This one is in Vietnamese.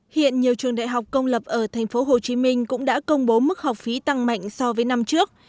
hiện nhiều trường đại học công lập ở tp hcm cũng đã công bố mức học phí tăng mạnh so với năm trước